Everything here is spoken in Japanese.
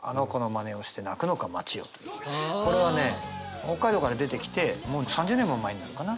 これはね北海道から出てきてもう３０年も前になるかな？